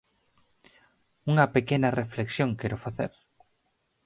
Unha pequena reflexión quero facer.